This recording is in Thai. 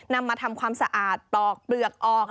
นำมาทำความสะอาดปลอกเปลือกออก